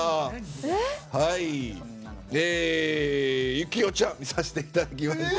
行雄ちゃん見させていただきました。